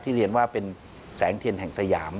เรียนว่าเป็นแสงเทียนแห่งสยาม